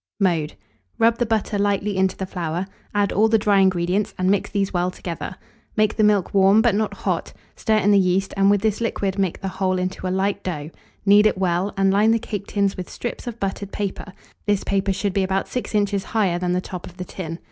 Mode. Rub the butter lightly into the flour; add all the dry ingredients, and mix these well together. Make the milk warm, but not hot; stir in the yeast, and with this liquid make the whole into a light dough; knead it well, and line the cake tins with strips of buttered paper; this paper should be about 6 inches higher than the top of the tin.